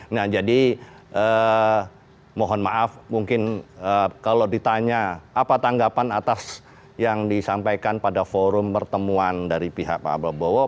nah jadi mohon maaf mungkin kalau ditanya apa tanggapan atas yang disampaikan pada forum pertemuan dari pihak pak prabowo